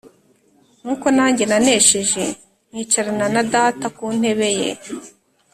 nk’uko nanjye nanesheje nkicarana na Data ku ntebe ye.